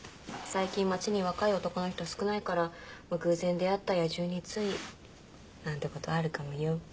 最近町に若い男の人少ないから偶然出会った野獣についなんてことあるかもよ。